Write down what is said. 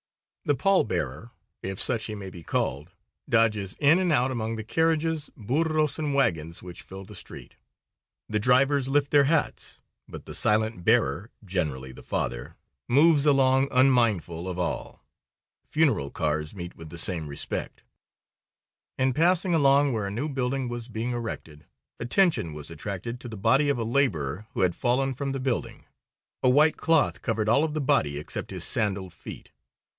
The pall bearer, if such he may be called, dodges in and out among the carriages, burros and wagons, which fill the street. The drivers lift their hats, but the silent bearer generally the father moves along unmindful of all. Funeral cars meet with the same respect. In passing along where a new building was being erected, attention was attracted to the body of a laborer who had fallen from the building. A white cloth covered all of the body except his sandaled feet.